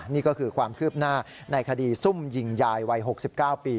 นี่ก็คือความคืบหน้าในคดีซุ่มยิงยายวัย๖๙ปี